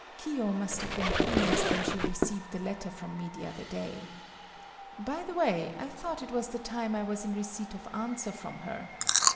Kiyo must have been pleased when she received the letter from me the other day. By the way, I thought it was the time I was in receipt of answer from her.